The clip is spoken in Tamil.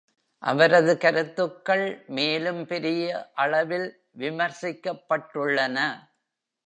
அவரது கருத்துக்கள் மேலும் பெரிய அளவில் விமர்சிக்கப்பட்டுள்ளன.